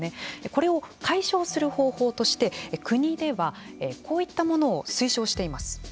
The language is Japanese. これを解消する方法として国ではこういったものを推奨しています。